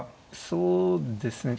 そうですね。